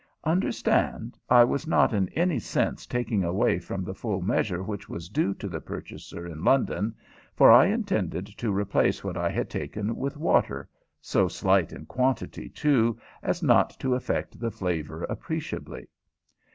Understand, I was not in any sense taking away from the full measure which was due to the purchaser in London, for I intended to replace what I had taken with water so slight in quantity, too, as not to affect the flavor appreciably.